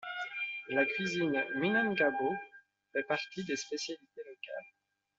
La cuisine Minangkabau fait partie des spécialités locales.